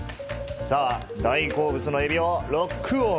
大好物のエビをロックオン！